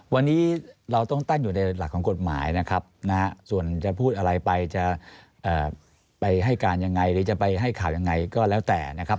วันนี้เราต้องตั้งอยู่ในหลักของกฎหมายนะครับส่วนจะพูดอะไรไปจะไปให้การยังไงหรือจะไปให้ข่าวยังไงก็แล้วแต่นะครับ